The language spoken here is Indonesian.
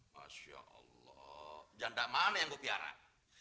masya allah janda mana yang gue piara